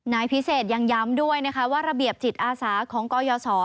นายพิเศษยังย้ำด้วยนะคะว่าระเบียบจิตอาสาของกยศ